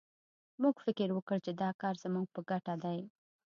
موږ فکر وکړ چې دا کار زموږ په ګټه دی